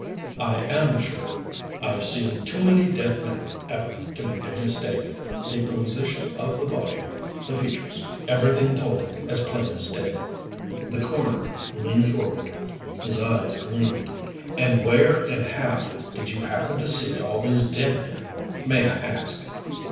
"I am sure. I've seen too many dead men ever to make a mistake. The position of the body, the features everything told it as plain as day." The coroner leaned forward. His eyes gleamed. "And where and how did you happen to see all these dead men, may I ask?"